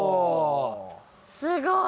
すごい。